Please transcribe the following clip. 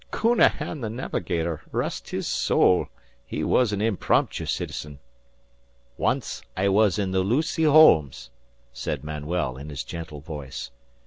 Counahan the Navigator, rest his sowl! He was an imprompju citizen!" "Once I was in the Lucy Holmes," said Manuel, in his gentle voice.